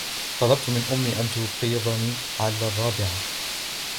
طلبت من أمي أن توقظني على الرابعة.